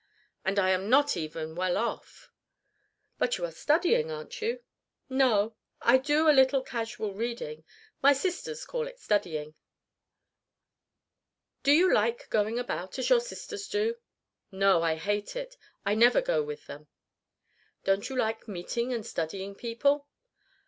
And I am not even well off." "But you are studying, aren't you?" "No. I do a little casual reading. My sisters call it studying." "Do you like going about, as your sisters do?" "No, I hate it. I never go with them." "Don't you like meeting and studying people?"